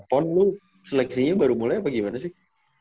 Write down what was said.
pond lo seleksinya baru mulai apa gimana sih